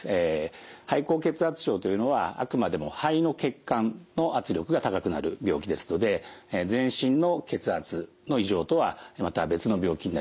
肺高血圧症というのはあくまでも肺の血管の圧力が高くなる病気ですので全身の血圧の異常とはまた別の病気になります。